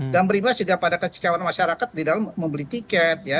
dan berimbas juga pada kececauan masyarakat di dalam membeli tiket ya